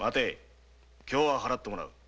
今日は払ってもらうぞ。